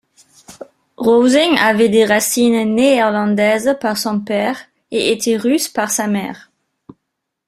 Rosing avait des racines néerlandaises par son père, et était russe par sa mère.